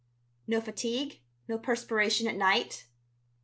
"No fatigue, no perspiration at night?"